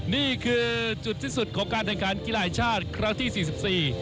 นี่คือจุดที่สุดของการทางการกีฬาอาญชาติครั้งที่๔๔